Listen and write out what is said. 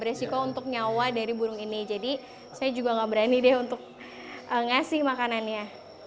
beresiko untuk nyawa dari burung ini jadi saya juga tidak berani untuk memberikan makanannya